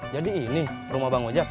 jadi ini rumah bang ojak